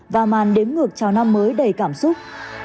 và màn đếm ngược chào năm mới đầy cảm xúc